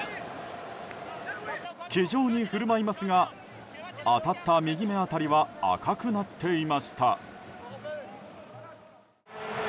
気丈に振る舞いますが当たった右目辺りは赤くなっていました。